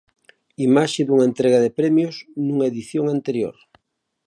Imaxe dunha entrega de premios nunha edición anterior.